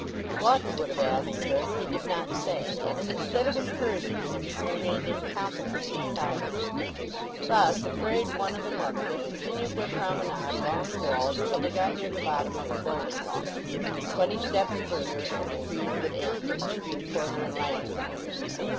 What he would have asked her he did not say, and instead of encouraging him she remained incompetently silent. Thus afraid one of another they continued their promenade along the walls till they got near the bottom of the Bowling Walk; twenty steps further and the trees would end, and the street corner and lamps appear.